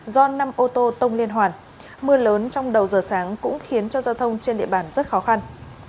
do năm ô tô tông liên hoàn mưa lớn trong đầu giờ sáng cũng khiến cho giao thông trên địa bàn rất khó khăn